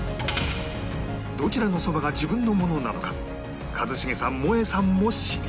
どちらのそばが自分のものなのか一茂さんもえさんも知りません